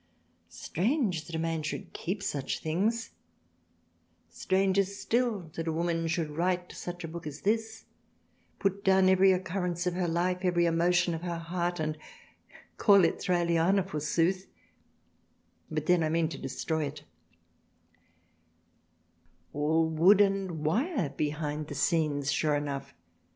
strange that a Man should keep such Things [Stranger still that a Woman should write such a Book as this ; put down every occur 32 THRALIANA rence of her Life, every Emotion of her Heart and call it Thraliana forsooth, but then I mean to destroy it] All Wood and Wire behind the Scenes sure enough